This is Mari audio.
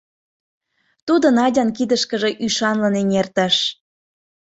Тудо Надян кидышкыже ӱшанлын эҥертыш.